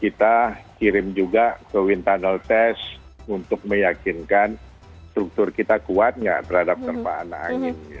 kita kirim juga ke wind tunnel test untuk meyakinkan struktur kita kuatnya terhadap terpaan angin